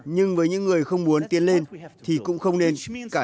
nhưng với những người không muốn tiến lên thì cũng không nên cả